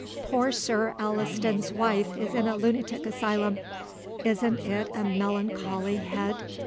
"Poor Sir Alliston's wife is in a lunatic asylum; isn't it a melancholy head?"